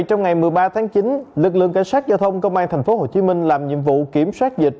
trong ngày một mươi ba tháng chín lực lượng cảnh sát giao thông công an tp hcm làm nhiệm vụ kiểm soát dịch